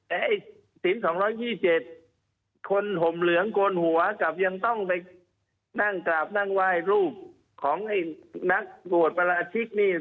ไอ้ศิลป์๒๒๗คนห่มเหลืองโกนหัวกลับยังต้องไปนั่งกราบนั่งไหว้รูปของไอ้นักบวชประราชิกนี่